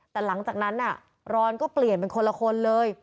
แต่หลังจากนั้นร้อนก็เปลี่ยนเป็นคนละคนเลย